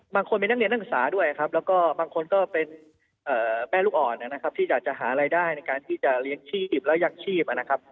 บางคนเป็นนักเรียนนักศึกษาด้วยครับแล้วก็บางคนก็เป็นแม่ลูกอ่อนนะครับที่อยากจะหารายได้ในการที่จะเลี้ยงชีพและยังชีพนะครับ